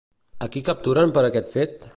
A qui capturen per aquest fet?